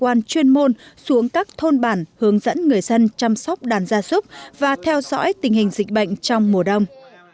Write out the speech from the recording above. xã lạp án tần đã đưa các cơ quan chuyên môn xuống các thôn bản hướng dẫn người dân chăm sóc đàn gia súc và theo dõi tình hình dịch bệnh trong mùa đông